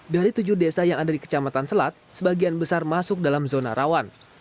dari tujuh desa yang ada di kecamatan selat sebagian besar masuk dalam zona rawan